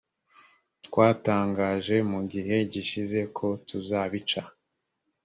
twatangaje mu gihe gishize kotuzabica